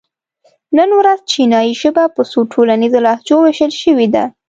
نن ورځ چینایي ژبه په څو ټولنیزو لهجو وېشل شوې ده.